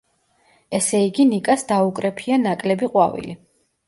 ესე იგი, ნიკას დაუკრეფია ნაკლები ყვავილი.